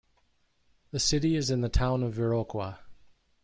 The city is in the town of Viroqua.